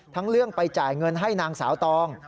เรื่องไปจ่ายเงินให้นางสาวตอง